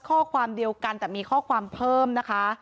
ข้อความเดียวกันแต่มีข้อความเพิ่มนะคะ